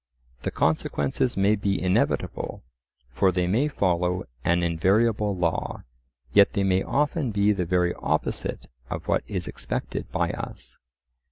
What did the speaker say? The consequences may be inevitable, for they may follow an invariable law, yet they may often be the very opposite of what is expected by us.